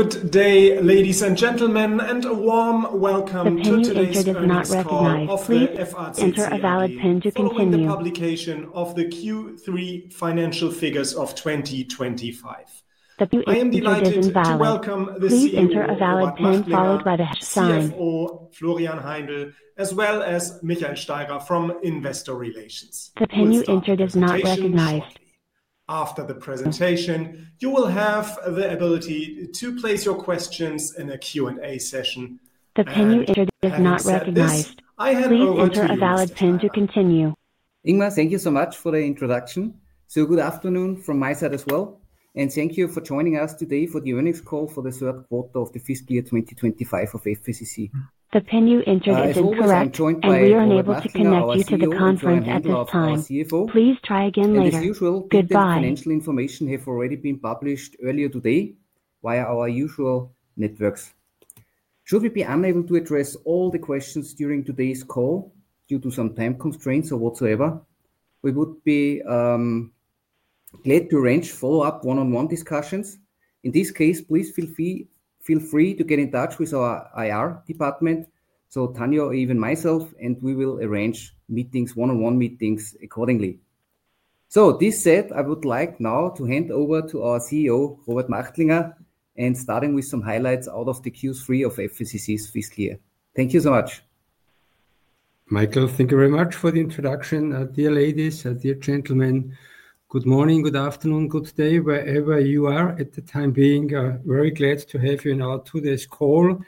Good day, ladies and gentlemen, and a warm welcome to today's program of FACC. Enter a valid PIN to continue. for the publication of the Q3 financial figures of 2025. I am delighted to welcome the CEO of FACC Please enter a valid PIN followed by the hashtag. Florian Heindl, as well as Michael Steirer from Investor Relations. The PIN you entered is not recognized. After the presentation, you will have the ability to place your questions in a Q&A session. The PIN you entered is not recognized. Please enter a valid PIN to continue. Ingmar, thank you so much for the introduction. Good afternoon from my side as well, and thank you for joining us today for the earnings call for the third quarter of the fiscal year 2025 of FACC. The PIN you entered is incorrect, and we are unable to connect you to the conference at this time. Please try again later. Good bye. As usual, financial information has already been published earlier today via our usual networks. Should we be unable to address all the questions during today's call due to some time constraints or whatsoever, we would be glad to arrange follow-up one-on-one discussions. In this case, please feel free to get in touch with our IR department, so Tanja, even myself, and we will arrange meetings, one-on-one meetings accordingly. This said, I would like now to hand over to our CEO, Robert Machtlinger, and starting with some highlights out of the Q3 of FACC's fiscal year. Thank you so much. Michael, thank you very much for the introduction. Dear ladies, dear gentlemen, good morning, good afternoon, good day, wherever you are. At the time being, very glad to have you in our today's call,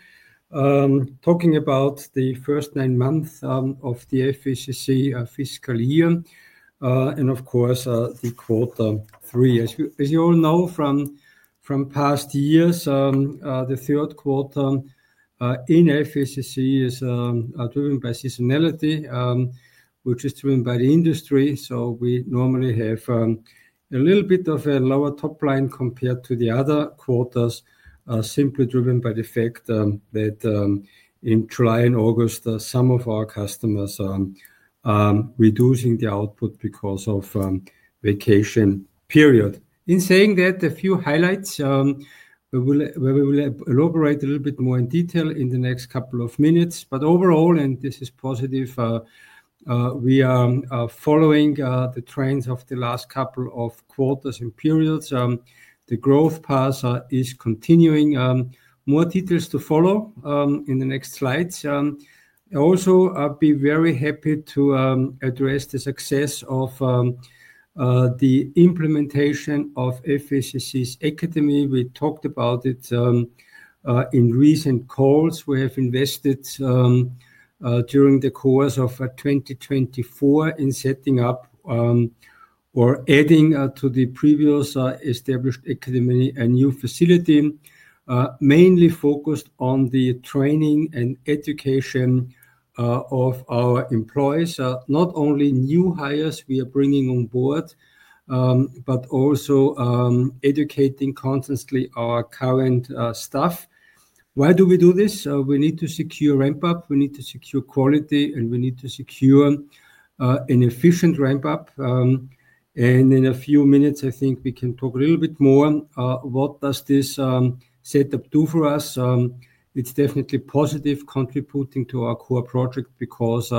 talking about the first nine months of the FACC fiscal year and, of course, the quarter three. As you all know from past years, the third quarter in FACC is driven by seasonality, which is driven by the industry. We normally have a little bit of a lower top line compared to the other quarters, simply driven by the fact that in July and August, some of our customers are reducing the output because of the vacation period. In saying that, a few highlights where we will elaborate a little bit more in detail in the next couple of minutes. Overall, and this is positive, we are following the trends of the last couple of quarters and periods. The growth path is continuing. More details to follow in the next slides. I'll also be very happy to address the success of the implementation of FACC's academy. We talked about it in recent calls. We have invested during the course of 2024 in setting up or adding to the previously established academy a new facility, mainly focused on the training and education of our employees. Not only new hires we are bringing on board, but also educating constantly our current staff. Why do we do this? We need to secure ramp-up, we need to secure quality, and we need to secure an efficient ramp-up. In a few minutes, I think we can talk a little bit more. What does this setup do for us? It's definitely positive, contributing to our core project because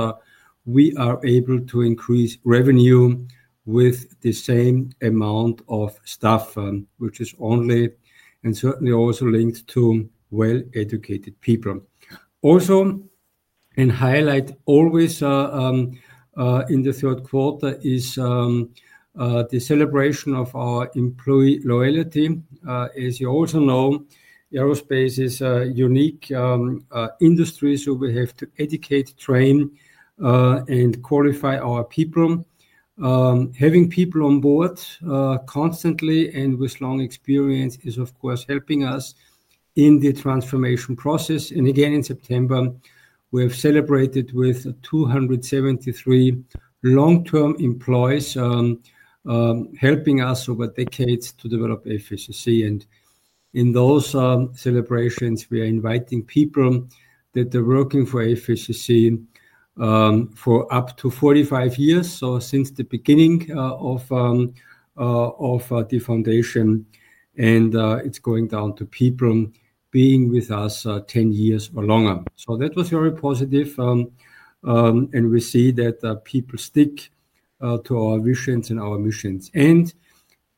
we are able to increase revenue with the same amount of staff, which is only and certainly also linked to well-educated people. Also, a highlight always in the third quarter is the celebration of our employee loyalty. As you also know, aerospace is a unique industry, so we have to educate, train, and qualify our people. Having people on board constantly and with long experience is, of course, helping us in the transformation process. Again, in September, we have celebrated with 273 long-term employees helping us over decades to develop FACC. In those celebrations, we are inviting people that are working for FACC for up to 45 years, so since the beginning of the foundation, and it's going down to people being with us 10 years or longer. That was very positive, and we see that people stick to our visions and our missions.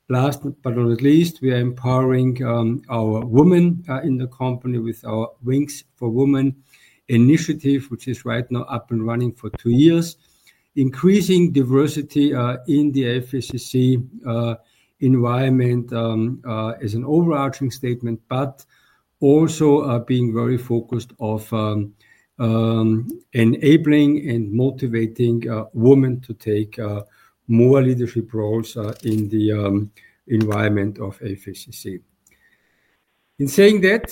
Last but not least, we are empowering our women in the company with our Wings for Women initiative, which is right now up and running for two years. Increasing diversity in the FACC environment is an overarching statement, but also being very focused on enabling and motivating women to take more leadership roles in the environment of FACC. In saying that,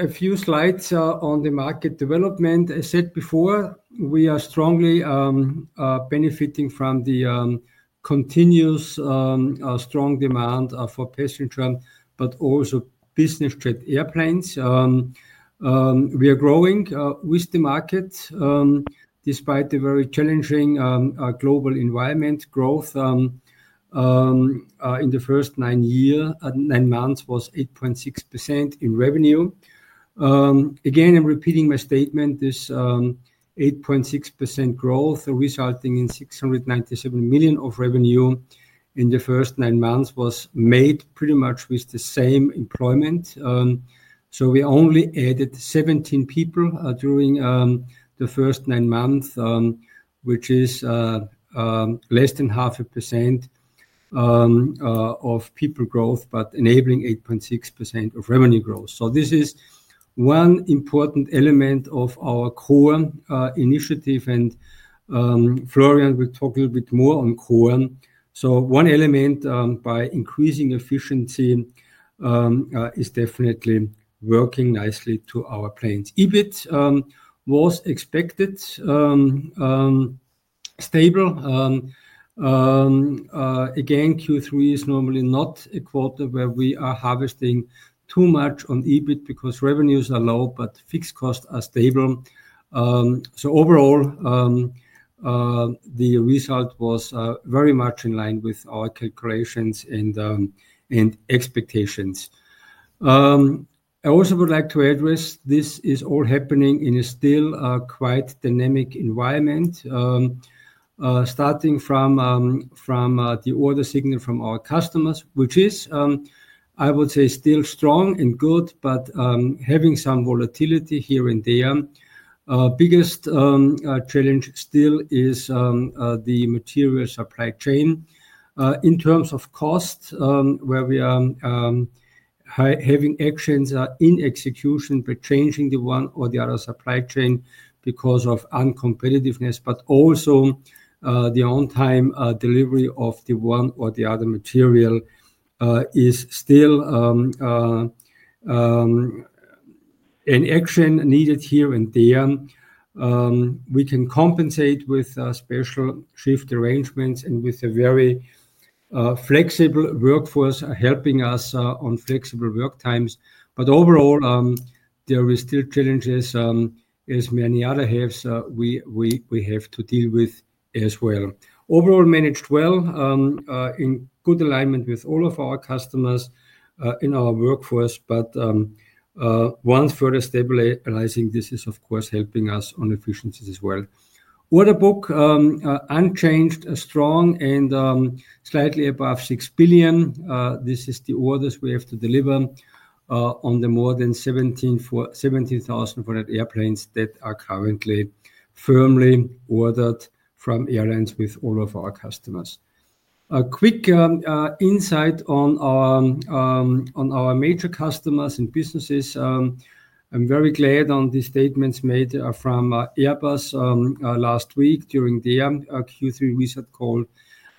a few slides on the market development. As I said before, we are strongly benefiting from the continuous strong demand for passenger but also business jet airplanes. We are growing with the market despite the very challenging global environment. Growth in the first nine months was 8.6% in revenue. Again, I'm repeating my statement. This 8.6% growth, resulting in 697 million of revenue in the first nine months, was made pretty much with the same employment. We only added 17 people during the first nine months, which is less than 0.5% of people growth, but enabling 8.6% of revenue growth. This is one important element of our core initiative, and Florian will talk a little bit more on core. One element, by increasing efficiency, is definitely working nicely to our plans. EBIT was expected stable. Again, Q3 is normally not a quarter where we are harvesting too much on EBIT because revenues are low, but fixed costs are stable. Overall, the result was very much in line with our calculations and expectations. I also would like to address this is all happening in a still quite dynamic environment, starting from the order signal from our customers, which is, I would say, still strong and good, but having some volatility here and there. Biggest challenge still is the material supply chain. In terms of cost, where we are having actions in execution by changing the one or the other supply chain because of uncompetitiveness, but also the on-time delivery of the one or the other material is still an action needed here and there. We can compensate with special shift arrangements and with a very flexible workforce helping us on flexible work times. Overall, there are still challenges, as many others have, we have to deal with as well. Overall, managed well, in good alignment with all of our customers and our workforce, but once further stabilizing, this is, of course, helping us on efficiencies as well. Order book unchanged, strong, and slightly above 6 billion. This is the orders we have to deliver on the more than 17,000 airplanes that are currently firmly ordered from airlines with all of our customers. A quick insight on our major customers and businesses. I'm very glad on the statements made from Airbus last week during their Q3 reset call.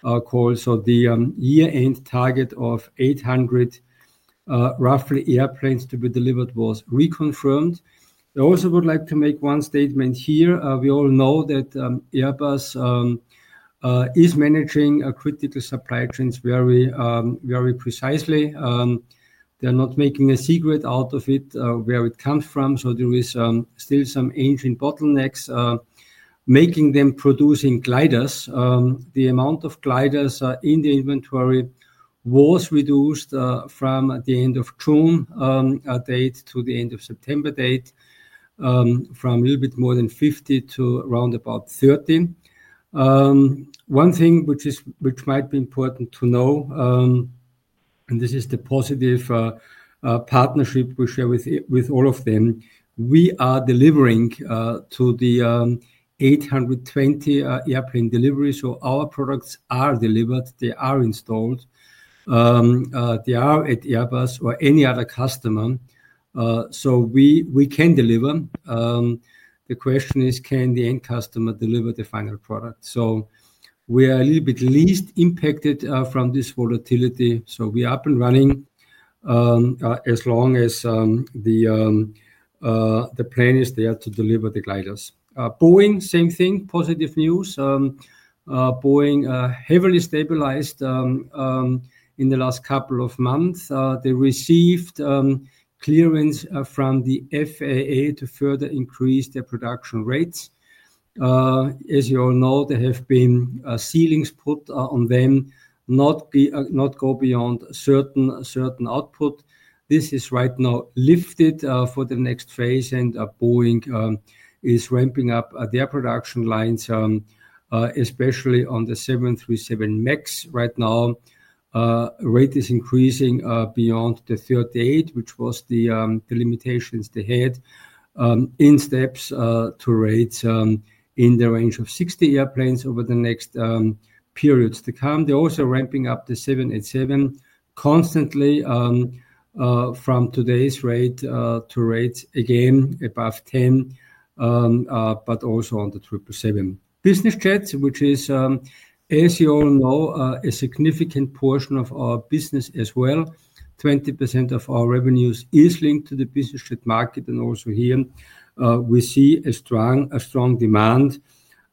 The year-end target of 800 roughly airplanes to be delivered was reconfirmed. I also would like to make one statement here. We all know that Airbus is managing critical supply chains very precisely. They're not making a secret out of it where it comes from. There are still some ancient bottlenecks making them produce gliders. The amount of gliders in the inventory was reduced from the end of June date to the end of September date, from a little bit more than 50 to around about 30. One thing which might be important to know, and this is the positive partnership we share with all of them, we are delivering to the A320 airplane deliveries. Our products are delivered, they are installed, they are at Airbus or any other customer. We can deliver. The question is, can the end customer deliver the final product? We are a little bit least impacted from this volatility. We are up and running as long as the plane is there to deliver the gliders. Boeing, same thing, positive news. Boeing heavily stabilized in the last couple of months. They received clearance from the FAA to further increase their production rates. As you all know, there have been ceilings put on them not to go beyond a certain output. This is right now lifted for the next phase, and Boeing is ramping up their production lines, especially on the 737 MAX. Right now, rate is increasing beyond the 38, which was the limitations they had in steps to rates in the range of 60 airplanes over the next periods to come. They're also ramping up the 787 constantly from today's rate to rates again above 10, but also on the 777. Business jets, which is, as you all know, a significant portion of our business as well. 20% of our revenues is linked to the business jet market, and also here we see a strong demand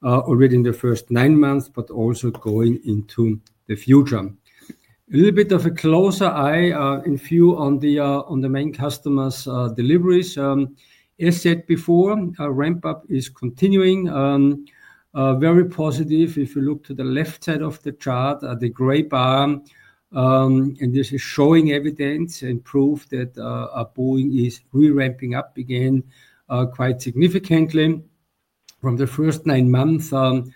already in the first nine months, but also going into the future. A little bit of a closer eye in view on the main customers' deliveries. As said before, ramp-up is continuing. Very positive. If you look to the left side of the chart, the gray bar, and this is showing evidence and proof that Boeing is ramping up again quite significantly. From the first nine months of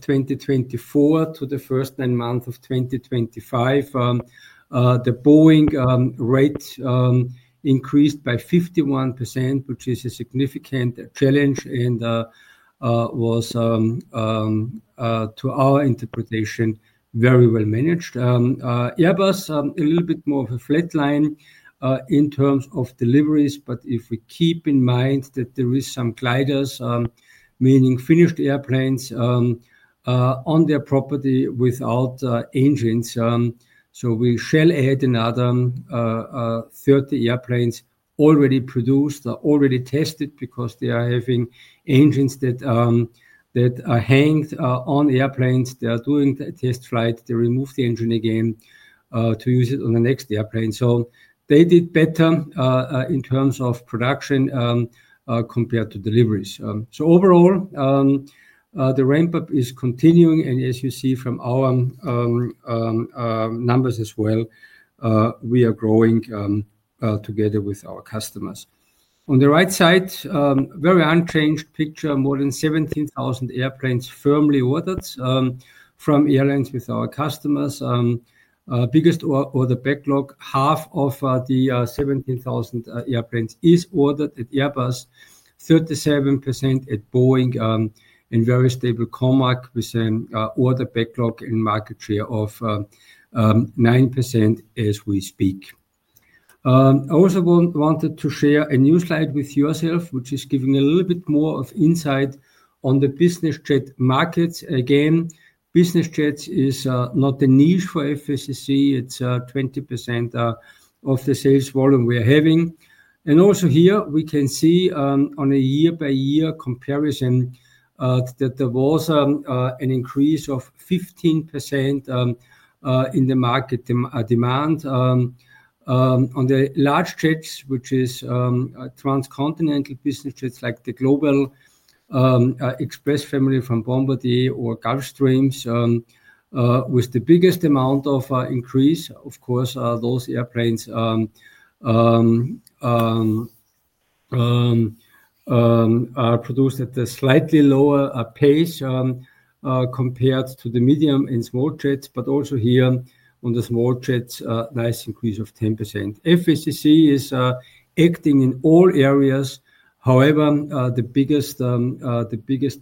2024 to the first nine months of 2025, the Boeing rate increased by 51%, which is a significant challenge and was, to our interpretation, very well managed. Airbus, a little bit more of a flat line in terms of deliveries, but if we keep in mind that there are some gliders, meaning finished airplanes on their property without engines. We shall add another 30 airplanes already produced, already tested because they are having engines that are hanged on airplanes. They are doing the test flight. They remove the engine again to use it on the next airplane. They did better in terms of production compared to deliveries. Overall, the ramp-up is continuing, and as you see from our numbers as well, we are growing together with our customers. On the right side, very unchanged picture, more than 17,000 airplanes firmly ordered from airlines with our customers. Biggest order backlog, half of the 17,000 airplanes is ordered at Airbus, 37% at Boeing, and very stable COMAC with an order backlog in market share of 9% as we speak. I also wanted to share a new slide with yourself, which is giving a little bit more of insight on the business jet markets. Again, business jets is not a niche for FACC. It's 20% of the sales volume we are having. Also here, we can see on a year-by-year comparison that there was an increase of 15% in the market demand. On the large jets, which is transcontinental business jets like the Global Express family from Bombardier or Gulfstream, with the biggest amount of increase, of course, those airplanes produced at a slightly lower pace compared to the medium and small jets, but also here on the small jets, nice increase of 10%. FACC is acting in all areas. However, the biggest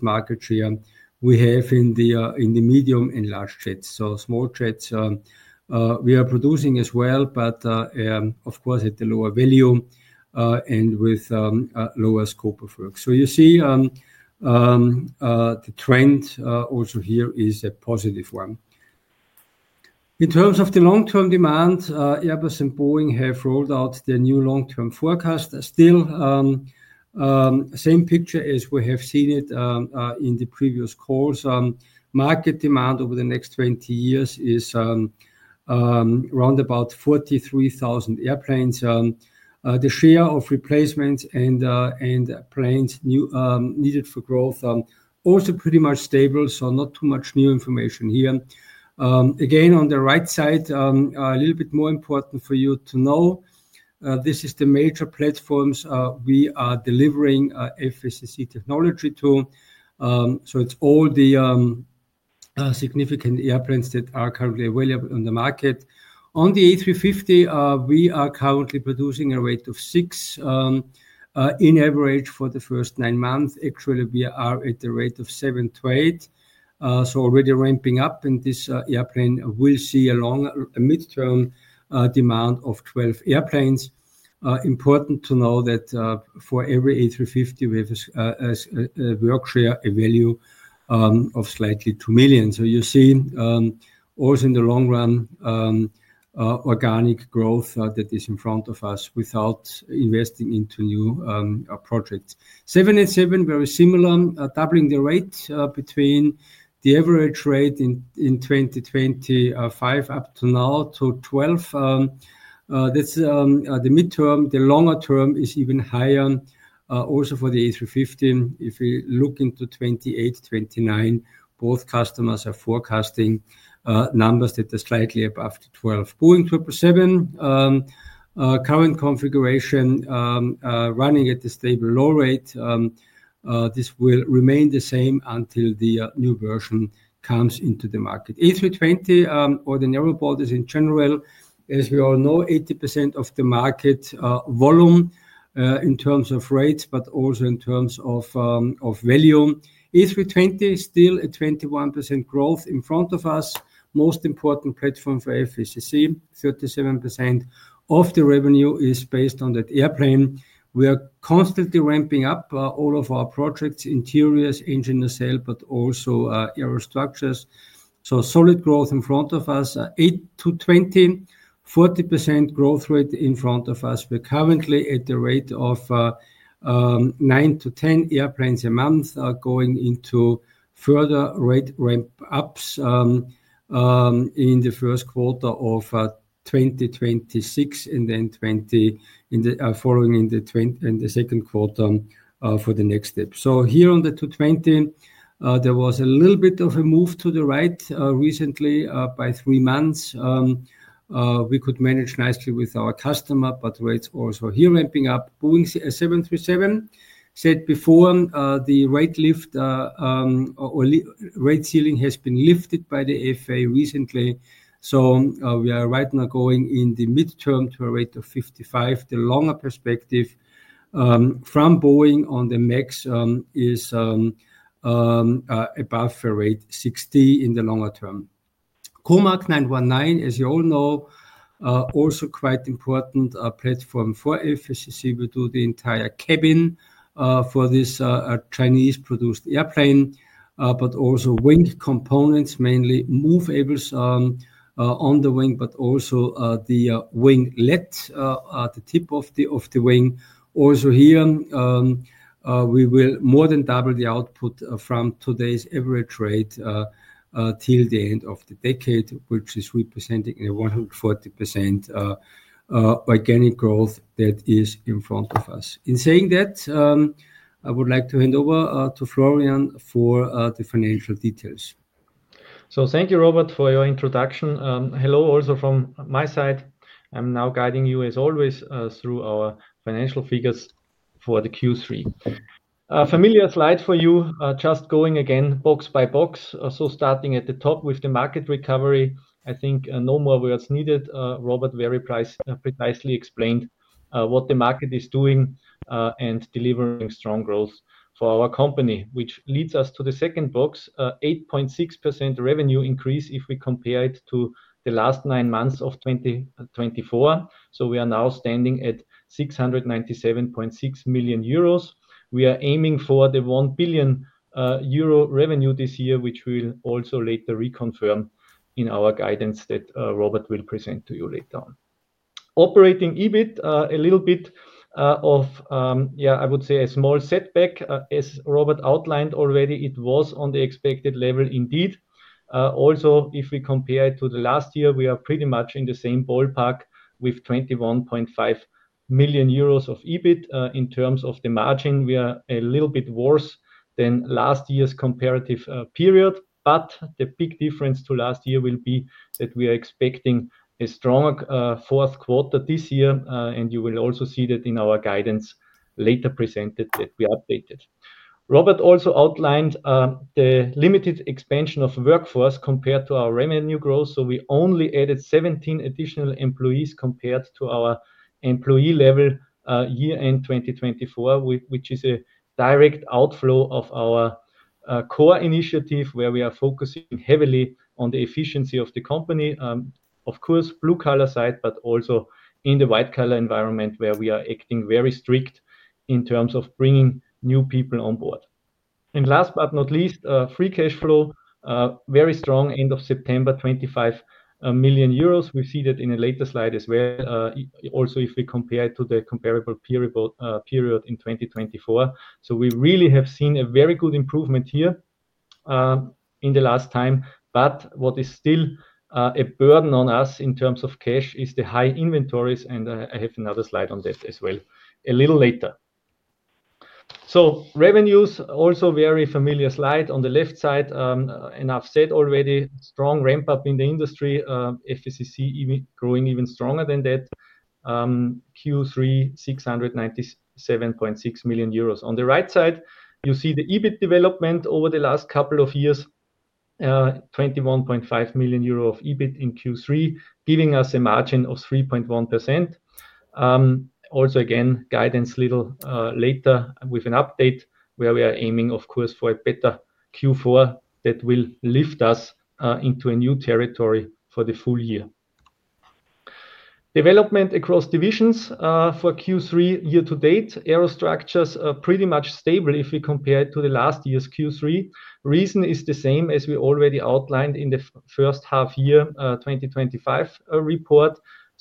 market share we have is in the medium and large jets. Small jets, we are producing as well, but of course at a lower value and with lower scope of work. You see the trend also here is a positive one. In terms of the long-term demand, Airbus and Boeing have rolled out their new long-term forecast. Still, same picture as we have seen it in the previous calls. Market demand over the next 20 years is around about 43,000 airplanes. The share of replacements and planes needed for growth also pretty much stable. Not too much new information here. Again, on the right side, a little bit more important for you to know, this is the major platforms we are delivering FACC technology to. It is all the significant airplanes that are currently available on the market. On the A350, we are currently producing a rate of six in average for the first nine months. Actually, we are at a rate of 7-8. Already ramping up, and this airplane will see a midterm demand of 12 airplanes. Important to know that for every A350, we have a work share, a value of slightly 2 million. You see also in the long run organic growth that is in front of us without investing into new projects. 787, very similar, doubling the rate between the average rate in 2025 up to now to 12. That's the midterm. The longer term is even higher also for the A350. If we look into 2028, 2029, both customers are forecasting numbers that are slightly above the 12. Boeing 777, current configuration running at a stable low rate. This will remain the same until the new version comes into the market. A320, ordinary borders in general, as we all know, 80% of the market volume in terms of rates, but also in terms of value. A320, still a 21% growth in front of us. Most important platform for FACC, 37% of the revenue is based on that airplane. We are constantly ramping up all of our projects, interiors, engine as well, but also aerostructures. So solid growth in front of us. 8-20, 40% growth rate in front of us. We're currently at the rate of 9-10 airplanes a month going into further rate ramp-ups in the first quarter of 2026 and then following in the second quarter for the next step. Here on the A220, there was a little bit of a move to the right recently by three months. We could manage nicely with our customer, but rates also here ramping up. Boeing 737, said before, the rate lift or rate ceiling has been lifted by the FAA recently. We are right now going in the midterm to a rate of 55. The longer perspective from Boeing on the MAX is above a rate 60 in the longer term. COMAC C919, as you all know, also quite important platform for FACC. We do the entire cabin for this Chinese-produced airplane, but also wing components, mainly moveables on the wing, but also the winglet, the tip of the wing. Also here, we will more than double the output from today's average rate till the end of the decade, which is representing a 140% organic growth that is in front of us. In saying that, I would like to hand over to Florian for the financial details. Thank you, Robert, for your introduction. Hello also from my side. I'm now guiding you as always through our financial figures for the Q3. Familiar slide for you, just going again box by box. Starting at the top with the market recovery, I think no more words needed. Robert very precisely explained what the market is doing and delivering strong growth for our company, which leads us to the second box, 8.6% revenue increase if we compare it to the last nine months of 2024. We are now standing at 697.6 million euros. We are aiming for the 1 billion euro revenue this year, which we will also later reconfirm in our guidance that Robert will present to you later on. Operating EBIT, a little bit of, yeah, I would say a small setback, as Robert outlined already. It was on the expected level indeed. Also, if we compare it to last year, we are pretty much in the same ballpark with 21.5 million euros of EBIT in terms of the margin. We are a little bit worse than last year's comparative period, but the big difference to last year will be that we are expecting a stronger fourth quarter this year, and you will also see that in our guidance later presented that we updated. Robert also outlined the limited expansion of workforce compared to our revenue growth. We only added 17 additional employees compared to our employee level year-end 2024, which is a direct outflow of our core initiative where we are focusing heavily on the efficiency of the company. Of course, blue collar side, but also in the white collar environment where we are acting very strict in terms of bringing new people on board. Last but not least, free cash flow, very strong end of September, 25 million euros. We see that in a later slide as well. Also, if we compare it to the comparable period in 2024. We really have seen a very good improvement here in the last time, but what is still a burden on us in terms of cash is the high inventories, and I have another slide on that as well a little later. Revenues, also very familiar slide on the left side, and I have said already strong ramp-up in the industry, FACC growing even stronger than that, Q3, 697.6 million euros. On the right side, you see the EBIT development over the last couple of years, 21.5 million euro of EBIT in Q3, giving us a margin of 3.1%. Also again, guidance a little later with an update where we are aiming, of course, for a better Q4 that will lift us into a new territory for the full year. Development across divisions for Q3 year to date, aerostructures pretty much stable if we compare it to the last year's Q3. Reason is the same as we already outlined in the first half year 2025 report.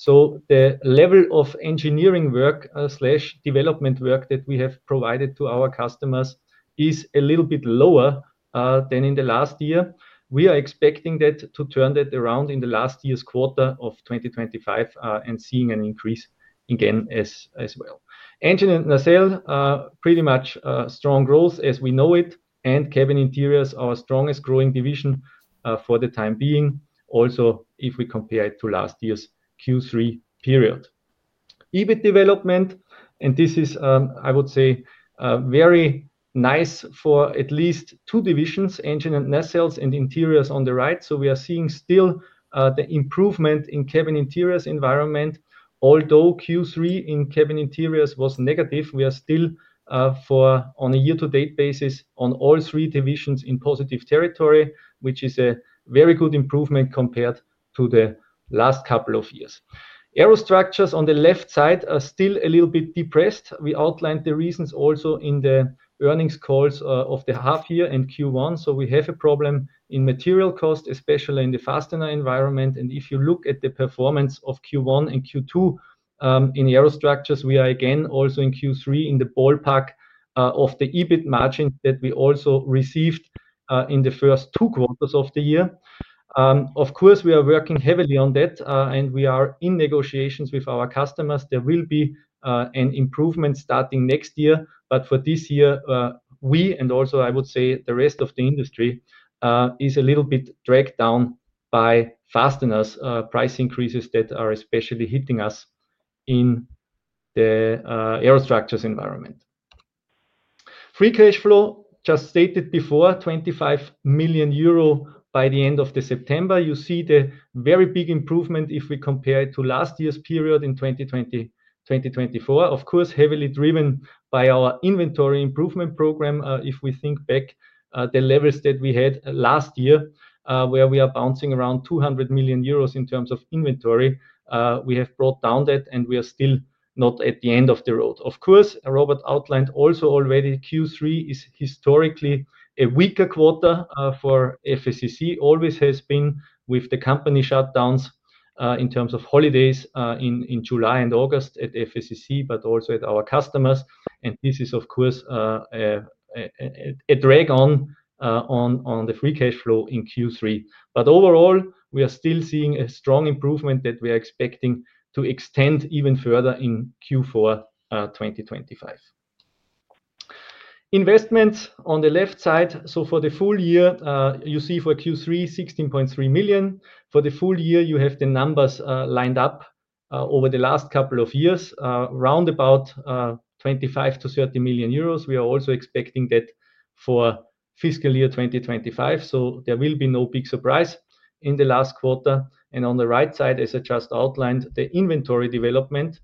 The level of engineering work/development work that we have provided to our customers is a little bit lower than in the last year. We are expecting that to turn that around in the last year's quarter of 2025 and seeing an increase again as well. Engine and nacelle, pretty much strong growth as we know it, and cabin interiors are our strongest growing division for the time being, also if we compare it to last year's Q3 period. EBIT development, and this is, I would say, very nice for at least two divisions, engine and nacelles and interiors on the right. We are seeing still the improvement in cabin interiors environment. Although Q3 in cabin interiors was negative, we are still, on a year-to-date basis, on all three divisions in positive territory, which is a very good improvement compared to the last couple of years. Aerostructures on the left side are still a little bit depressed. We outlined the reasons also in the earnings calls of the half year and Q1. We have a problem in material cost, especially in the fastener environment. If you look at the performance of Q1 and Q2 in aerostructures, we are again also in Q3 in the ballpark of the EBIT margin that we also received in the first two quarters of the year. Of course, we are working heavily on that, and we are in negotiations with our customers. There will be an improvement starting next year, but for this year, we and also, I would say, the rest of the industry is a little bit dragged down by fasteners price increases that are especially hitting us in the aerostructures environment. Free cash flow, just stated before, 25 million euro by the end of September. You see the very big improvement if we compare it to last year's period in 2020, 2024. Of course, heavily driven by our inventory improvement program. If we think back the levels that we had last year, where we are bouncing around 200 million euros in terms of inventory, we have brought down that, and we are still not at the end of the road. Of course, Robert outlined also already Q3 is historically a weaker quarter for FACC, always has been with the company shutdowns in terms of holidays in July and August at FACC, but also at our customers. This is, of course, a drag on the free cash flow in Q3. Overall, we are still seeing a strong improvement that we are expecting to extend even further in Q4 2025. Investments on the left side. For the full year, you see for Q3, 16.3 million. For the full year, you have the numbers lined up over the last couple of years, round about 25-30 million euros. We are also expecting that for fiscal year 2025. There will be no big surprise in the last quarter. On the right side, as I just outlined, the inventory development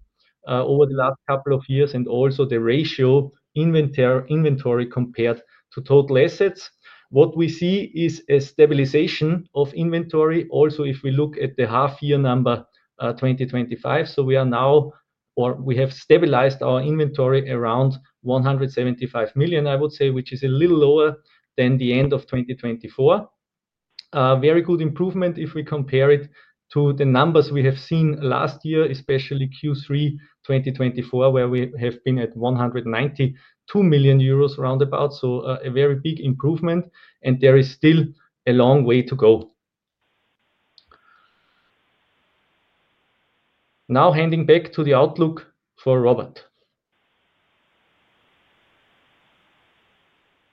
over the last couple of years and also the ratio inventory compared to total assets. What we see is a stabilization of inventory. Also, if we look at the half year number 2025, we are now, or we have stabilized our inventory around 175 million, I would say, which is a little lower than the end of 2024. Very good improvement if we compare it to the numbers we have seen last year, especially Q3 2024, where we have been at 192 million euros round about. A very big improvement, and there is still a long way to go. Now handing back to the outlook for Robert.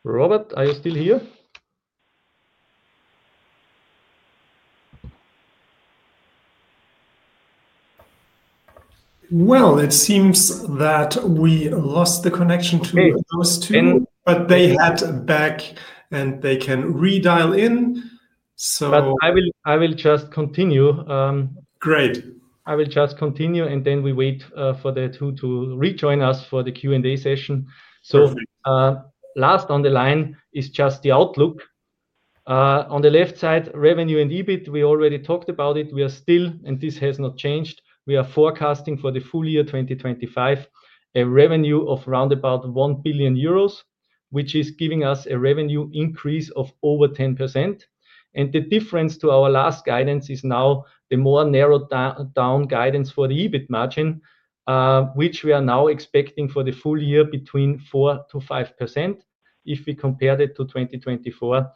Robert, are you still here? It seems that we lost the connection to those two, but they had back and they can redial in. I will just continue. Great. I will just continue, and then we wait for the two to rejoin us for the Q&A session. Last on the line is just the outlook. On the left side, revenue and EBIT, we already talked about it. We are still, and this has not changed. We are forecasting for the full year 2025, a revenue of around 1 billion euros, which is giving us a revenue increase of over 10%. The difference to our last guidance is now the more narrowed down guidance for the EBIT margin, which we are now expecting for the full year between 4-5%. If we compare that to 2024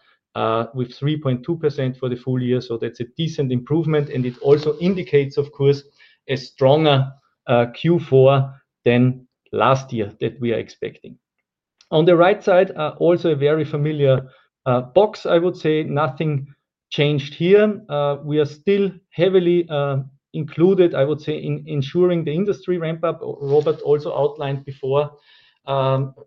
with 3.2% for the full year, that is a decent improvement. It also indicates, of course, a stronger Q4 than last year that we are expecting. On the right side, also a very familiar box, I would say. Nothing changed here. We are still heavily included, I would say, in ensuring the industry ramp-up. Robert also outlined before,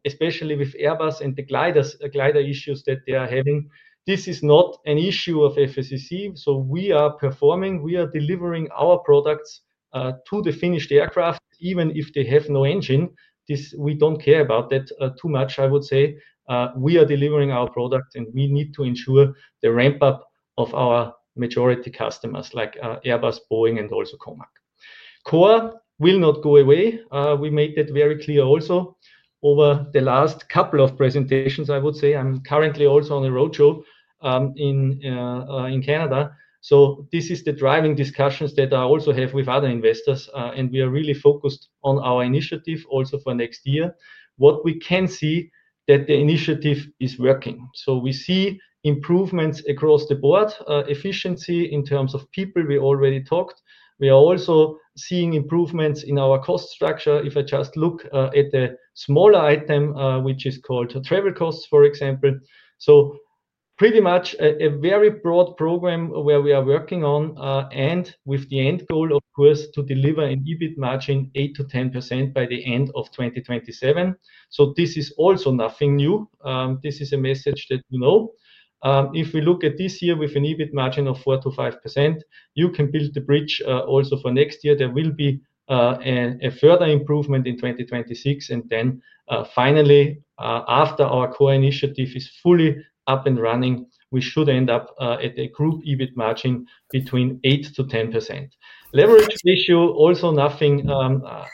especially with Airbus and the glider issues that they are having. This is not an issue of FACC. So we are performing. We are delivering our products to the finished aircraft, even if they have no engine. We do not care about that too much, I would say. We are delivering our product, and we need to ensure the ramp-up of our majority customers like Airbus, Boeing, and also COMAC. Core will not go away. We made that very clear also over the last couple of presentations, I would say. I am currently also on a roadshow in Canada. This is the driving discussions that I also have with other investors, and we are really focused on our initiative also for next year. What we can see is that the initiative is working. We see improvements across the board, efficiency in terms of people. We already talked. We are also seeing improvements in our cost structure. If I just look at the smaller item, which is called travel costs, for example. Pretty much a very broad program where we are working on and with the end goal, of course, to deliver an EBIT margin 8-10% by the end of 2027. This is also nothing new. This is a message that we know. If we look at this year with an EBIT margin of 4-5%, you can build the bridge also for next year. There will be a further improvement in 2026. Finally, after our core initiative is fully up and running, we should end up at a group EBIT margin between 8-10%. Leverage ratio also nothing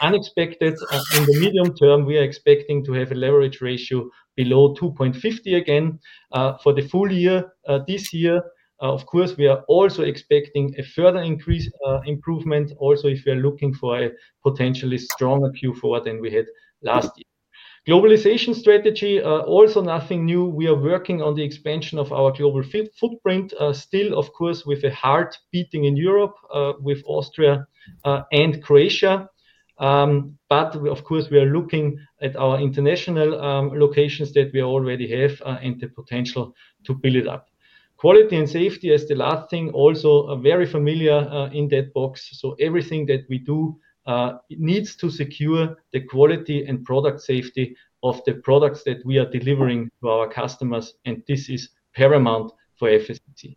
unexpected. In the medium term, we are expecting to have a leverage ratio below 2.50 again for the full year. This year, of course, we are also expecting a further increase improvement. Also, if we are looking for a potentially stronger Q4 than we had last year. Globalization strategy, also nothing new. We are working on the expansion of our global footprint still, of course, with a heart beating in Europe with Austria and Croatia. Of course, we are looking at our international locations that we already have and the potential to build it up. Quality and safety as the last thing, also very familiar in that box. Everything that we do needs to secure the quality and product safety of the products that we are delivering to our customers, and this is paramount for FACC.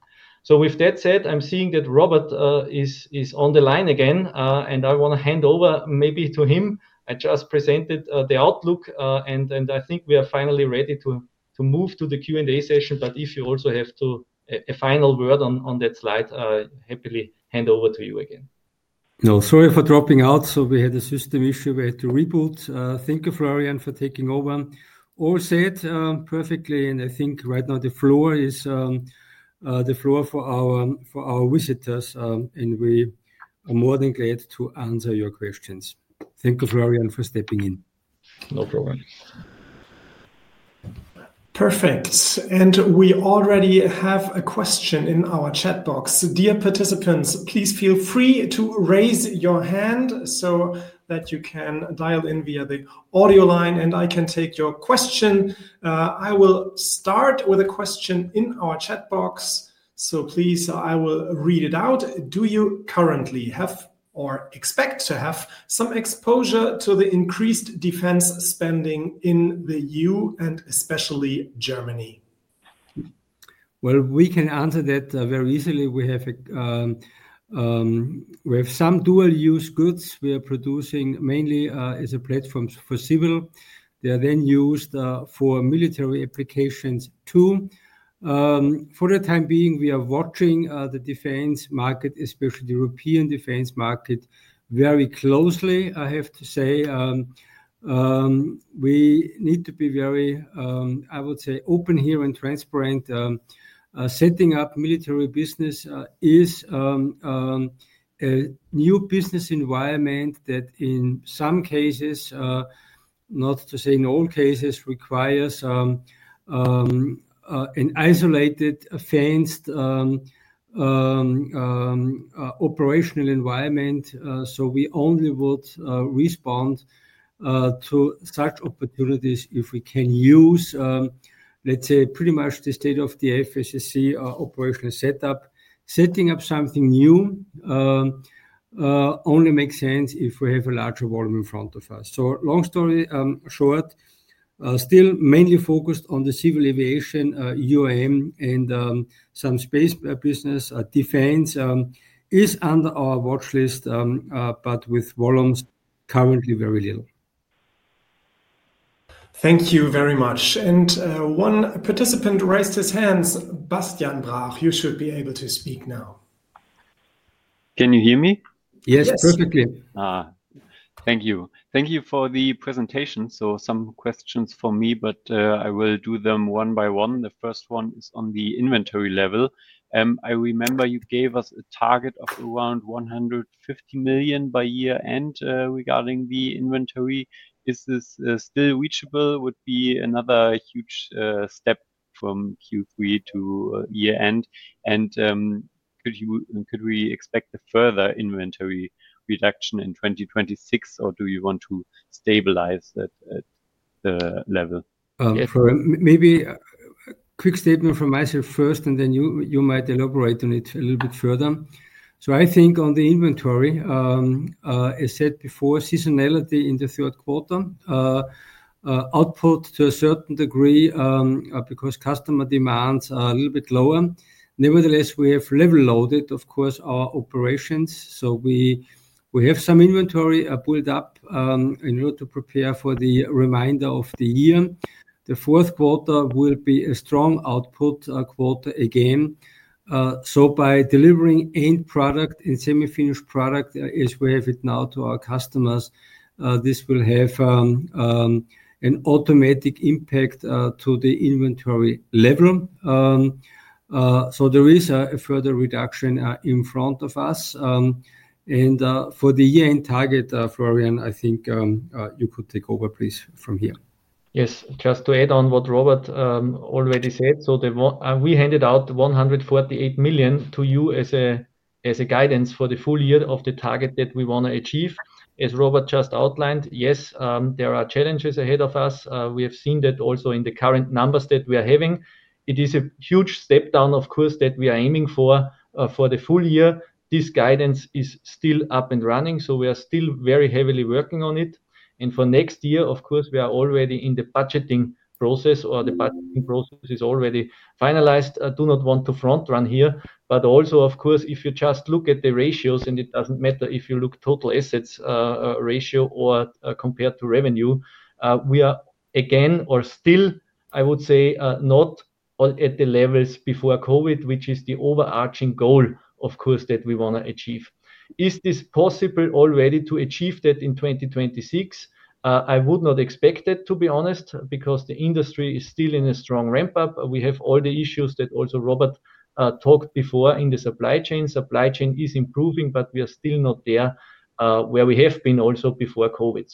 With that said, I am seeing that Robert is on the line again, and I want to hand over maybe to him. I just presented the outlook, and I think we are finally ready to move to the Q&A session. If you also have a final word on that slide, I happily hand over to you again. No, sorry for dropping out. We had a system issue. We had to reboot. Thank you, Florian, for taking over. All said perfectly. I think right now the floor is the floor for our visitors, and we are more than glad to answer your questions. Thank you, Florian, for stepping in. No problem. Perfect. We already have a question in our chat box. Dear participants, please feel free to raise your hand so that you can dial in via the audio line, and I can take your question. I will start with a question in our chat box. Please, I will read it out. Do you currently have or expect to have some exposure to the increased defense spending in the EU and especially Germany? We can answer that very easily. We have some dual-use goods we are producing mainly as a platform for civil. They are then used for military applications too. For the time being, we are watching the defense market, especially the European defense market, very closely, I have to say. We need to be very, I would say, open here and transparent. Setting up military business is a new business environment that in some cases, not to say in all cases, requires an isolated, advanced operational environment. We only would respond to such opportunities if we can use, let's say, pretty much the state of the FACC operational setup. Setting up something new only makes sense if we have a larger volume in front of us. Long story short, still mainly focused on the civil aviation, UAM, and some space business. Defense is under our watch list, but with volumes currently very little. Thank you very much. One participant raised his hand. Bastian Brach, you should be able to speak now. Can you hear me? Yes, perfectly. Thank you. Thank you for the presentation. Some questions for me, but I will do them one by one. The first one is on the inventory level. I remember you gave us a target of around 150 million by year-end regarding the inventory. Is this still reachable? Would be another huge step from Q3 to year-end. Could we expect a further inventory reduction in 2026, or do you want to stabilize at the level? Maybe a quick statement from myself first, and then you might elaborate on it a little bit further. I think on the inventory, as I said before, seasonality in the third quarter, output to a certain degree because customer demands are a little bit lower. Nevertheless, we have level loaded, of course, our operations. We have some inventory built up in order to prepare for the remainder of the year. The fourth quarter will be a strong output quarter again. By delivering end product and semi-finished product as we have it now to our customers, this will have an automatic impact to the inventory level. There is a further reduction in front of us. For the year-end target, Florian, I think you could take over, please, from here. Yes, just to add on what Robert already said. We handed out 148 million to you as a guidance for the full year of the target that we want to achieve. As Robert just outlined, yes, there are challenges ahead of us. We have seen that also in the current numbers that we are having. It is a huge step down, of course, that we are aiming for for the full year. This guidance is still up and running, so we are still very heavily working on it. For next year, of course, we are already in the budgeting process, or the budgeting process is already finalized. I do not want to front-run here, but also, of course, if you just look at the ratios, and it does not matter if you look at total assets ratio or compared to revenue, we are again, or still, I would say, not at the levels before COVID, which is the overarching goal, of course, that we want to achieve. Is this possible already to achieve that in 2026? I would not expect it, to be honest, because the industry is still in a strong ramp-up. We have all the issues that also Robert talked before in the supply chain. Supply chain is improving, but we are still not there where we have been also before COVID.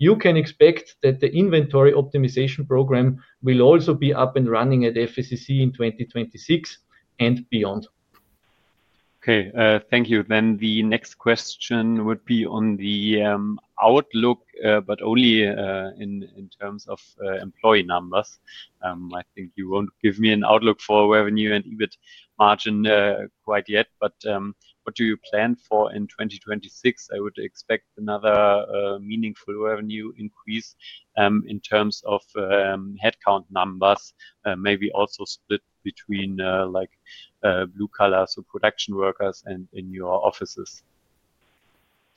You can expect that the inventory optimization program will also be up and running at FACC in 2026 and beyond. Okay, thank you. The next question would be on the outlook, but only in terms of employee numbers. I think you will not give me an outlook for revenue and EBIT margin quite yet, but what do you plan for in 2026? I would expect another meaningful revenue increase in terms of headcount numbers, maybe also split between blue collar, so production workers, and in your offices.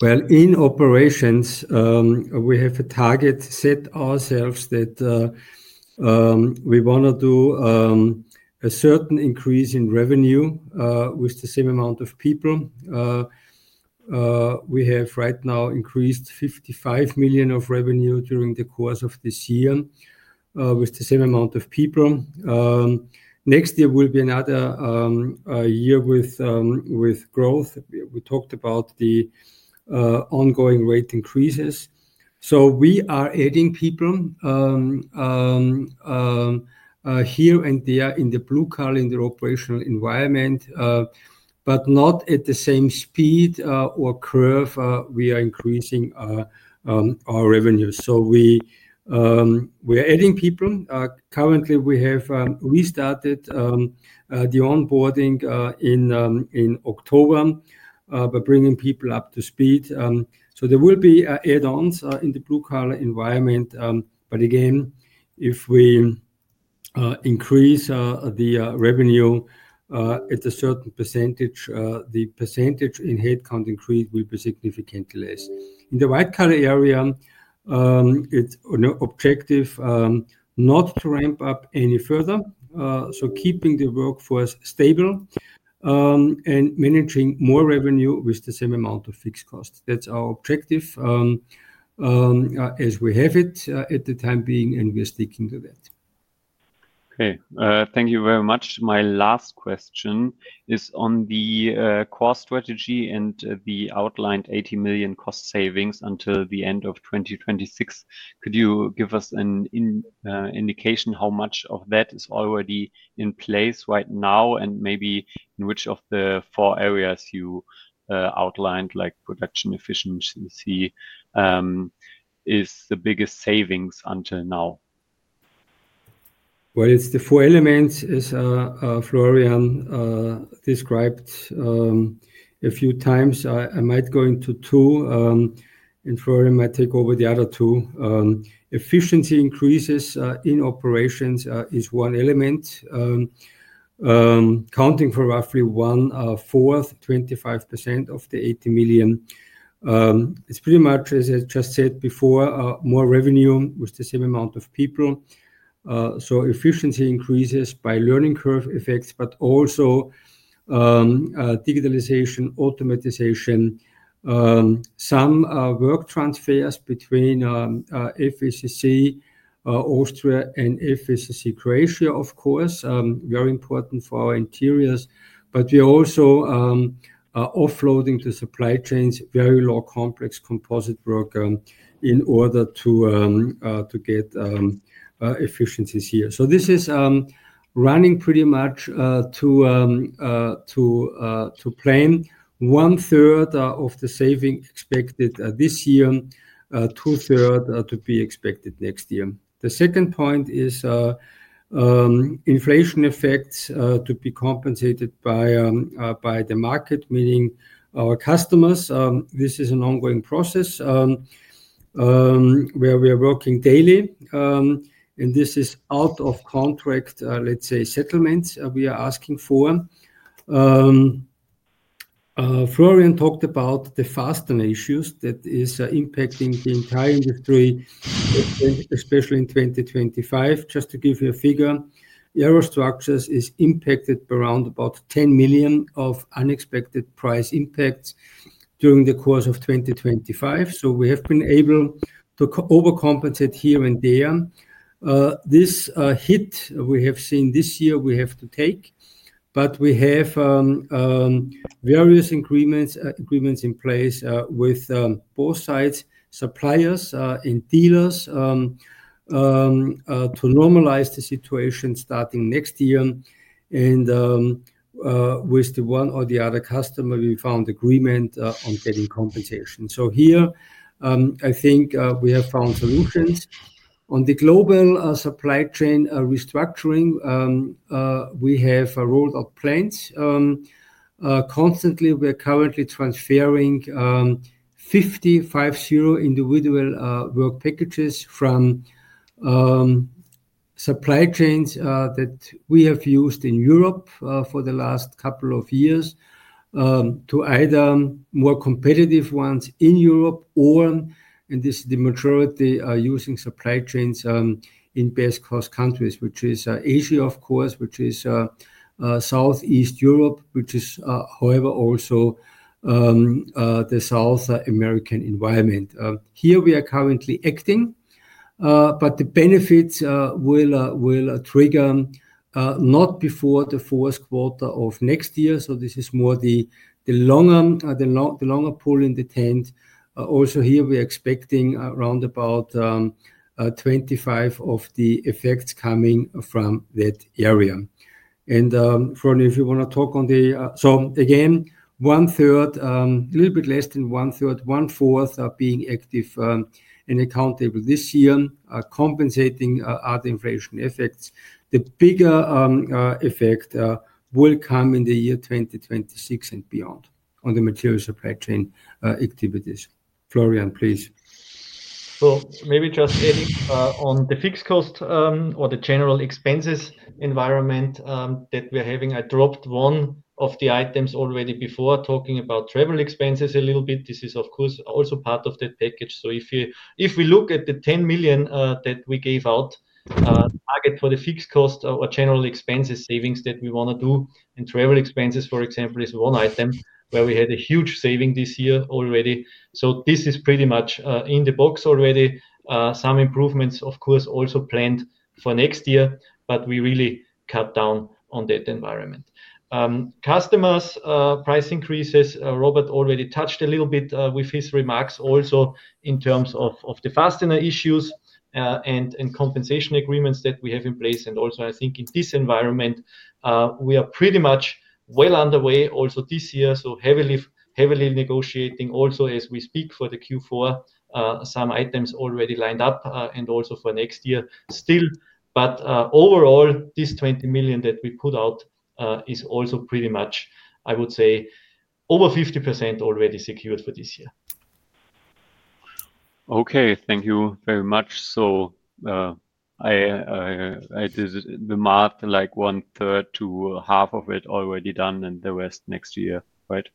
In operations, we have a target set ourselves that we want to do a certain increase in revenue with the same amount of people. We have right now increased 55 million of revenue during the course of this year with the same amount of people. Next year will be another year with growth. We talked about the ongoing rate increases. We are adding people here and there in the blue collar in the operational environment, but not at the same speed or curve we are increasing our revenue. We are adding people. Currently, we started the onboarding in October by bringing people up to speed. There will be add-ons in the blue collar environment. Again, if we increase the revenue at a certain %, the % in headcount increase will be significantly less. In the white collar area, it's an objective not to ramp up any further. Keeping the workforce stable and managing more revenue with the same amount of fixed cost. That's our objective as we have it at the time being, and we are sticking to that. Okay, thank you very much. My last question is on the core strategy and the outlined 80 million cost savings until the end of 2026. Could you give us an indication how much of that is already in place right now and maybe in which of the four areas you outlined, like production efficiency, is the biggest savings until now? It is the four elements as Florian described a few times. I might go into two, and Florian might take over the other two. Efficiency increases in operations is one element, counting for roughly one fourth, 25% of the 80 million. It is pretty much, as I just said before, more revenue with the same amount of people. Efficiency increases by learning curve effects, but also digitalization, automatization, some work transfers between FACC Austria and FACC Croatia, of course, very important for our interiors. We are also offloading to supply chains very low complex composite work in order to get efficiencies here. This is running pretty much to plan. One third of the saving expected this year, two thirds to be expected next year. The second point is inflation effects to be compensated by the market, meaning our customers. This is an ongoing process where we are working daily, and this is out of contract, let's say, settlements we are asking for. Florian talked about the fastener issues that are impacting the entire industry, especially in 2025. Just to give you a figure, aerostructures is impacted by around about 10 million of unexpected price impacts during the course of 2025. We have been able to overcompensate here and there. This hit we have seen this year, we have to take, but we have various agreements in place with both sides, suppliers and dealers, to normalize the situation starting next year. With the one or the other customer, we found agreement on getting compensation. I think we have found solutions. On the global supply chain restructuring, we have rolled out plans. Currently, we are transferring 50 individual work packages from supply chains that we have used in Europe for the last couple of years to either more competitive ones in Europe or, and this is the majority, using supply chains in best cost countries, which is Asia, which is Southeast Europe, which is, however, also the South American environment. Here we are currently acting, but the benefits will trigger not before the fourth quarter of next year. This is more the longer pull in the tent. Also here, we are expecting around about 25% of the effects coming from that area. Florian, if you want to talk on the so again, one third, a little bit less than one third, one fourth are being active and accountable this year, compensating other inflation effects. The bigger effect will come in the year 2026 and beyond on the material supply chain activities. Florian, please. Maybe just adding on the fixed cost or the general expenses environment that we're having, I dropped one of the items already before talking about travel expenses a little bit. This is, of course, also part of the package. If we look at the 10 million that we gave out, target for the fixed cost or general expenses savings that we want to do, and travel expenses, for example, is one item where we had a huge saving this year already. This is pretty much in the box already. Some improvements, of course, also planned for next year, but we really cut down on that environment. Customers' price increases, Robert already touched a little bit with his remarks also in terms of the fastener issues and compensation agreements that we have in place. Also, I think in this environment, we are pretty much well underway also this year, so heavily negotiating also as we speak for the Q4, some items already lined up and also for next year still. Overall, this 20 million that we put out is also pretty much, I would say, over 50% already secured for this year. Okay, thank you very much. I did the math, like one third to half of it already done and the rest next year, right?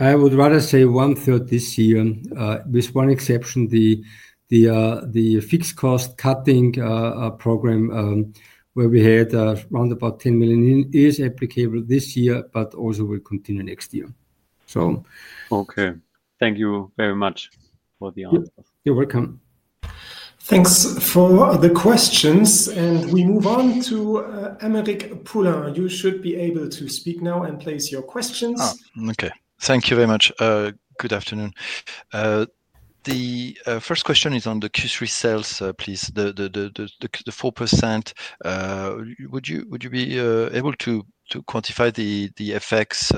I would rather say one third this year with one exception, the fixed cost cutting program where we had around about 10 million is applicable this year, but also will continue next year. Okay, thank you very much for the answer. You're welcome. Thanks for the questions. We move on to Aymeric Poulain. You should be able to speak now and place your questions. Okay, thank you very much. Good afternoon. The first question is on the Q3 sales, please. The 4%, would you be able to quantify the effects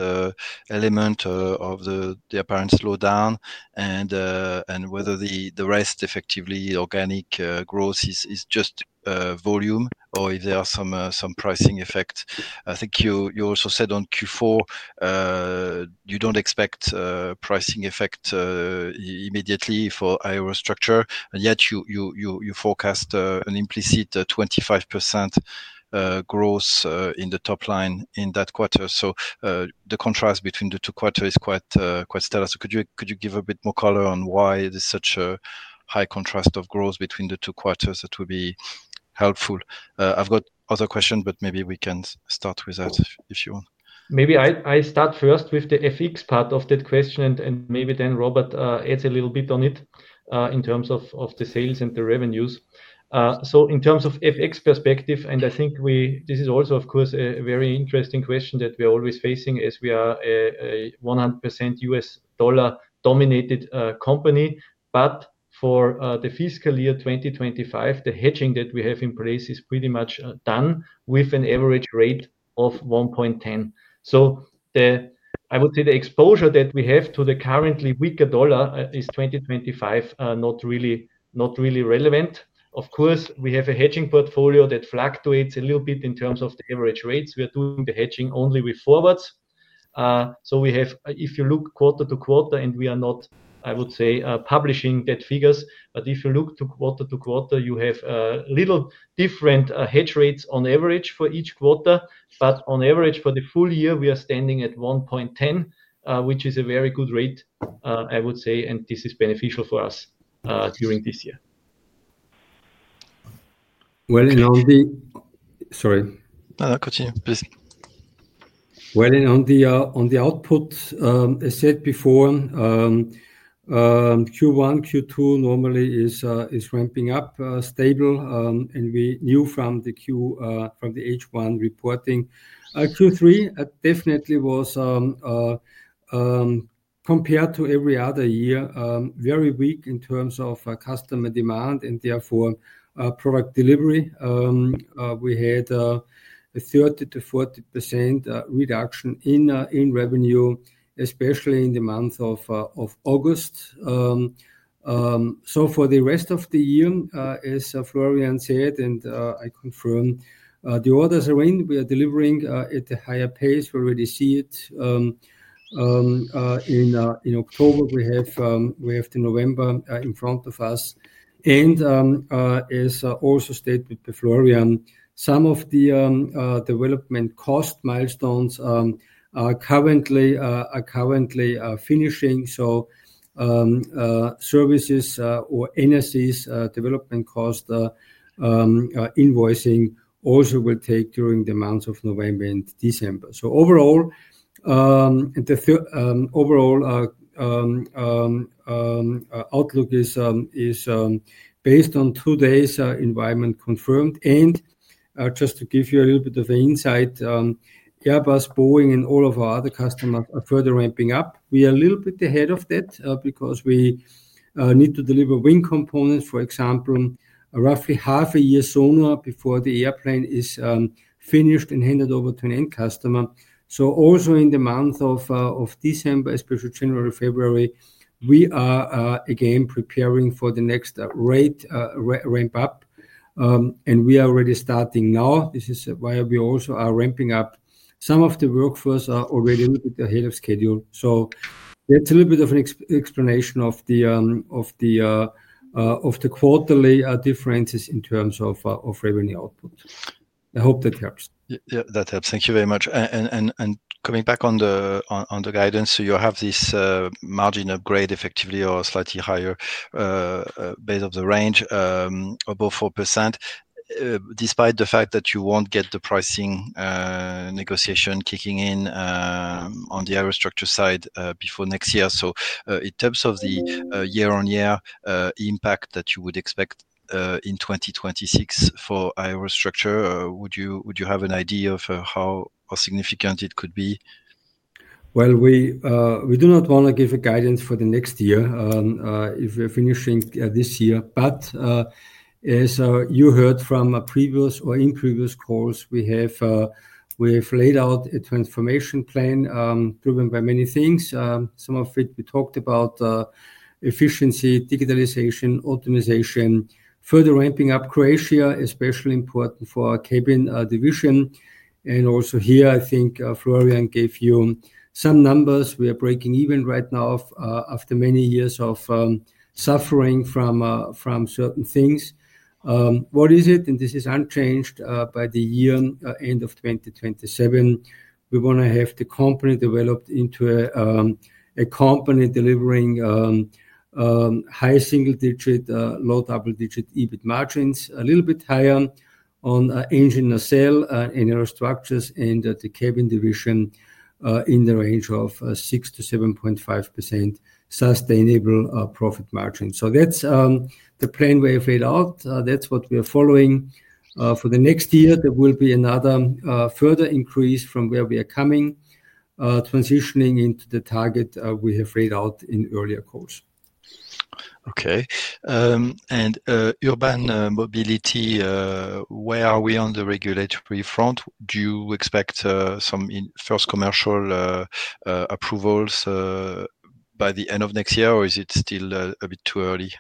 element of the apparent slowdown and whether the rest effectively organic growth is just volume or if there are some pricing effects? I think you also said on Q4, you don't expect pricing effects immediately for aerostructures, and yet you forecast an implicit 25% growth in the top line in that quarter. The contrast between the two quarters is quite stellar. Could you give a bit more color on why there is such a high contrast of growth between the two quarters? That would be helpful. I have other questions, but maybe we can start with that if you want. Maybe I start first with the FX part of that question, and maybe then Robert adds a little bit on it in terms of the sales and the revenues. In terms of FX perspective, and I think this is also, of course, a very interesting question that we are always facing as we are a 100% US dollar dominated company, but for the fiscal year 2025, the hedging that we have in place is pretty much done with an average rate of 1.10. I would say the exposure that we have to the currently weaker dollar is 2025 not really relevant. Of course, we have a hedging portfolio that fluctuates a little bit in terms of the average rates. We are doing the hedging only with forwards. If you look quarter to quarter, and we are not, I would say, publishing that figures, but if you look to quarter to quarter, you have little different hedge rates on average for each quarter, but on average for the full year, we are standing at 1.10, which is a very good rate, I would say, and this is beneficial for us during this year. On the, sorry. No, no, continue, please. On the output, as I said before, Q1, Q2 normally is ramping up, stable, and we knew from the H1 reporting. Q3 definitely was, compared to every other year, very weak in terms of customer demand and therefore product delivery. We had a 30-40% reduction in revenue, especially in the month of August. For the rest of the year, as Florian said, and I confirm, the orders are in. We are delivering at a higher pace. We already see it in October. We have November in front of us. As also stated by Florian, some of the development cost milestones are currently finishing. Services or NSEs development cost invoicing also will take place during the months of November and December. Overall, the overall outlook is based on today's environment confirmed. Just to give you a little bit of an insight, Airbus, Boeing, and all of our other customers are further ramping up. We are a little bit ahead of that because we need to deliver wing components, for example, roughly half a year sooner before the airplane is finished and handed over to an end customer. Also in the month of December, especially January and February, we are again preparing for the next rate ramp-up, and we are already starting now. This is why we also are ramping up. Some of the workforce are already a little bit ahead of schedule. That is a little bit of an explanation of the quarterly differences in terms of revenue output. I hope that helps. That helps. Thank you very much. Coming back on the guidance, you have this margin upgrade effectively or slightly higher base of the range above 4%, despite the fact that you will not get the pricing negotiation kicking in on the aerostructure side before next year. In terms of the year-on-year impact that you would expect in 2026 for aerostructures, would you have an idea of how significant it could be? We do not want to give a guidance for the next year if we are finishing this year. As you heard from previous or in previous calls, we have laid out a transformation plan driven by many things. Some of it we talked about efficiency, digitalization, optimization, further ramping up Croatia, especially important for our cabin division. Also here, I think Florian gave you some numbers. We are breaking even right now after many years of suffering from certain things. What is it? This is unchanged by the year end of 2027. We want to have the company developed into a company delivering high single-digit, low double-digit EBIT margins, a little bit higher on engine nacelle and aerostructures and the cabin division in the range of 6%-7.5% sustainable profit margin. That is the plan we have laid out. That is what we are following. For the next year, there will be another further increase from where we are coming, transitioning into the target we have laid out in earlier calls. Okay. Urban mobility, where are we on the regulatory front? Do you expect some first commercial approvals by the end of next year, or is it still a bit too early?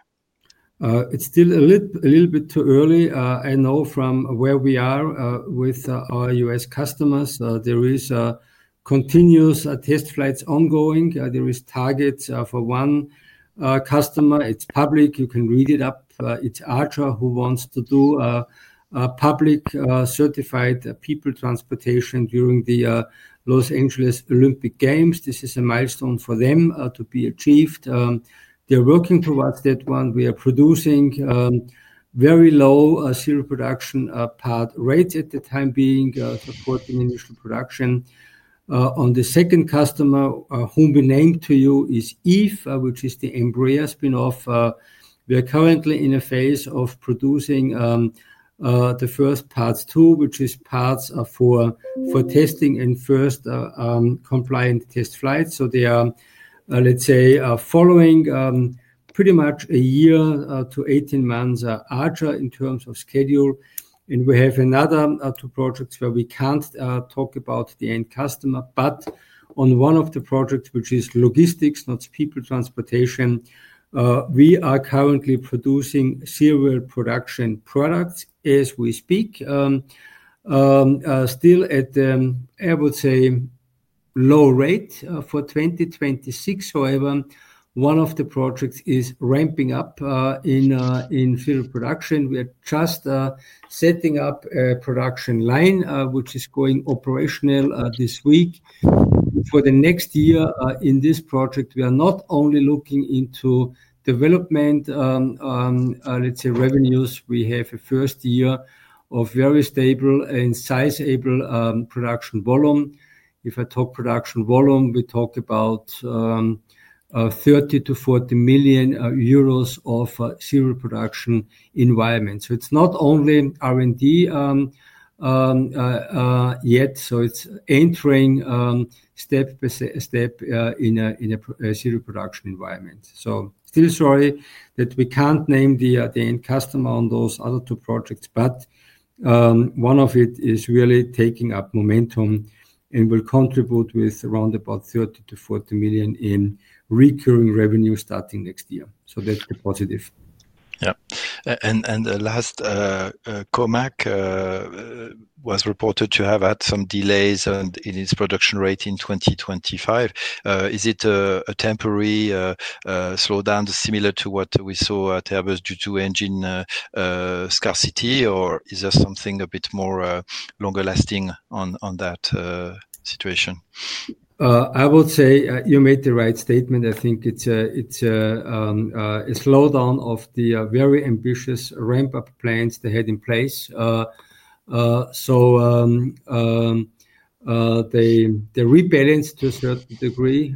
It is still a little bit too early. I know from where we are with our US customers, there is continuous test flights ongoing. There are targets for one customer. It is public. You can read it up. It's Archer who wants to do public certified people transportation during the Los Angeles Olympic Games. This is a milestone for them to be achieved. They're working towards that one. We are producing very low serial production part rates at the time being supporting initial production. On the second customer whom we named to you is Eve, which is the Embraer spinoff. We are currently in a phase of producing the first parts too, which is parts for testing and first compliant test flights. They are, let's say, following pretty much a year to 18 months Archer in terms of schedule. We have another two projects where we can't talk about the end customer. On one of the projects, which is logistics, not people transportation, we are currently producing serial production products as we speak. Still at the, I would say, low rate for 2026. However, one of the projects is ramping up in serial production. We are just setting up a production line, which is going operational this week. For the next year in this project, we are not only looking into development, let's say, revenues. We have a first year of very stable and sizeable production volume. If I talk production volume, we talk about 30-40 million euros of serial production environment. It is not only R&D yet. It is entering step by step in a serial production environment. Still sorry that we can't name the end customer on those other two projects, but one of it is really taking up momentum and will contribute with around about 30-40 million in recurring revenue starting next year. That is the positive. Yeah. Last, COMAC was reported to have had some delays in its production rate in 2025. Is it a temporary slowdown similar to what we saw at Airbus due to engine scarcity, or is there something a bit more longer lasting on that situation? I would say you made the right statement. I think it's a slowdown of the very ambitious ramp-up plans they had in place. They rebalanced to a certain degree.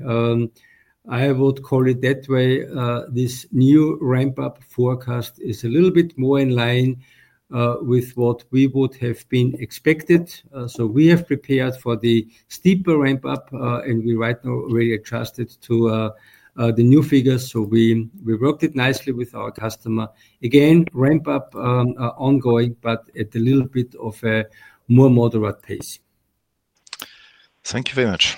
I would call it that way. This new ramp-up forecast is a little bit more in line with what we would have been expected. We have prepared for the steeper ramp-up, and we right now really adjusted to the new figures. We worked it nicely with our customer. Again, ramp-up ongoing, but at a little bit of a more moderate pace. Thank you very much.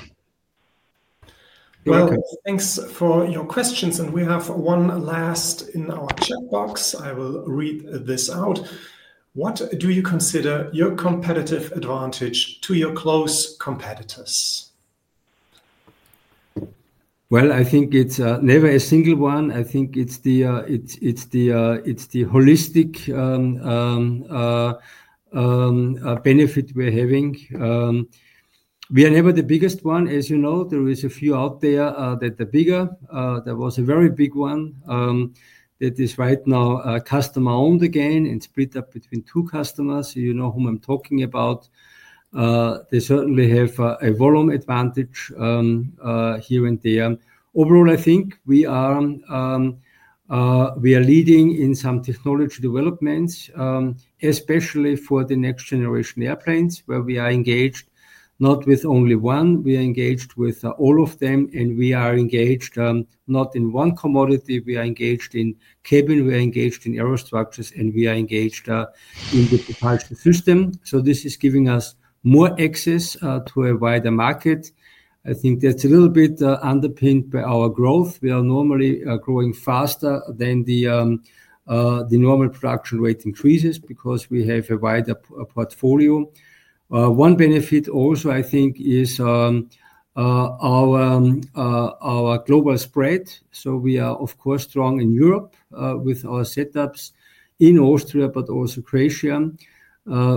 You're welcome. Thanks for your questions. We have one last in our chat box. I will read this out. What do you consider your competitive advantage to your close competitors? I think it's never a single one. I think it's the holistic benefit we're having. We are never the biggest one. As you know, there are a few out there that are bigger. There was a very big one that is right now customer-owned again and split up between two customers. You know whom I'm talking about. They certainly have a volume advantage here and there. Overall, I think we are leading in some technology developments, especially for the next generation airplanes where we are engaged, not with only one. We are engaged with all of them, and we are engaged not in one commodity. We are engaged in cabin. We are engaged in aerostructures, and we are engaged in the propulsion system. This is giving us more access to a wider market. I think that's a little bit underpinned by our growth. We are normally growing faster than the normal production rate increases because we have a wider portfolio. One benefit also, I think, is our global spread. We are, of course, strong in Europe with our setups in Austria, but also Croatia.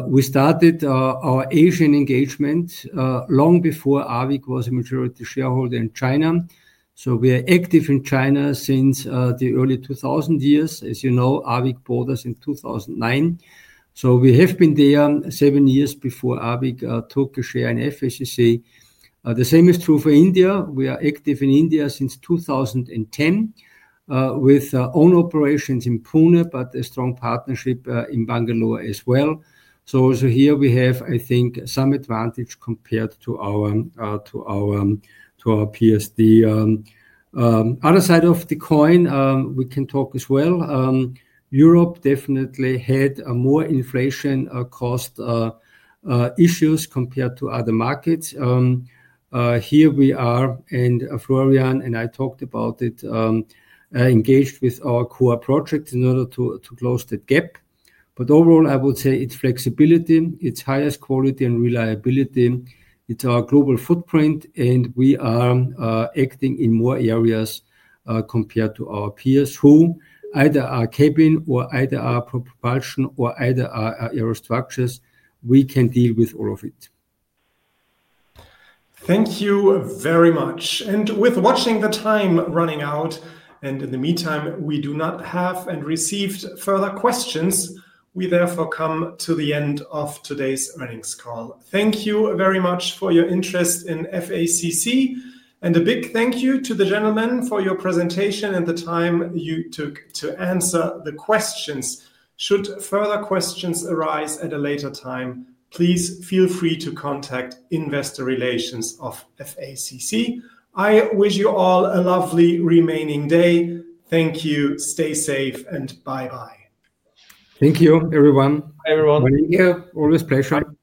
We started our Asian engagement long before AVIC was a majority shareholder in China. We are active in China since the early 2000 years. As you know, AVIC bought us in 2009. We have been there seven years before AVIC took a share in FACC. The same is true for India. We are active in India since 2010 with own operations in Pune, but a strong partnership in Bangalore as well. Also here we have, I think, some advantage compared to our PSD. Other side of the coin, we can talk as well. Europe definitely had more inflation cost issues compared to other markets. Here we are, and Florian and I talked about it, engaged with our core project in order to close that gap. Overall, I would say it is flexibility, it is highest quality and reliability. It is our global footprint, and we are acting in more areas compared to our peers who either are cabin or either are propulsion or either are aerostructures. We can deal with all of it. Thank you very much. With watching the time running out, and in the meantime, we do not have and received further questions, we therefore come to the end of today's earnings call. Thank you very much for your interest in FACC. A big thank you to the gentlemen for your presentation and the time you took to answer the questions. Should further questions arise at a later time, please feel free to contact investor relations of FACC. I wish you all a lovely remaining day. Thank you. Stay safe and bye-bye. Thank you, everyone. Hi, everyone. Thank you. Always a pleasure.